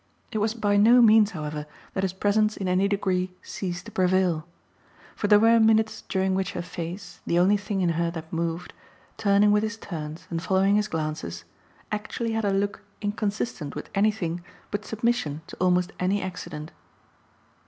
It was by no means, however, that his presence in any degree ceased to prevail; for there were minutes during which her face, the only thing in her that moved, turning with his turns and following his glances, actually had a look inconsistent with anything but submission to almost any accident.